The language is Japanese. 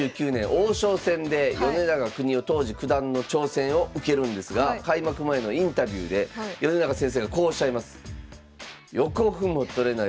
王将戦で米長邦雄当時九段の挑戦を受けるんですが開幕前のインタビューで米長先生がこうおっしゃいます。